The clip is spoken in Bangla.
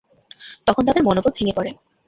তখন তাদের মনোবল ভেঙে পড়ে।